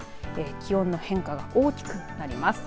気温の変化が大きくなります。